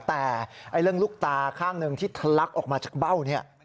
แต่เรื่องลูกตาข้างหนึ่งที่ทะลักออกมาจากเบ้าเนี่ย